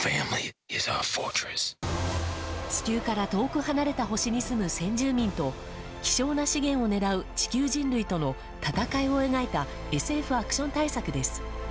地球から遠く離れた星に住む先住民と希少な資源を狙う地球人類との戦いを描いたＳＦアクション大作です。